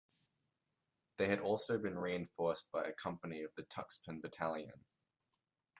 They had also been reinforced by a company of the Tuxpan Battalion.